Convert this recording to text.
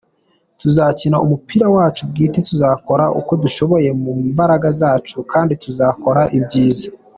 Tuzakina umupira wacu bwite, tuzakora uko dushoboye mu mbaraga zacu kandi tuzakora ibyiza.